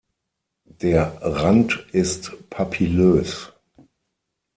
Der Rand ist papillös.